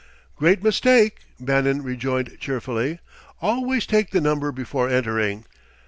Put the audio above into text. "Great mistake," Bannon rejoined cheerfully. "Always take the number before entering.